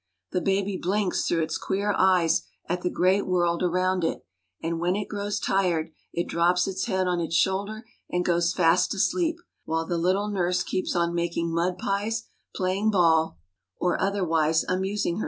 The baby blinks through its queer eyes at the great world around it, and, when it grows tired, it drops its head on its shoulder and goes fast asleep, while the little nurse keeps on making mud pies, playing ball, or otherwise amusing herself.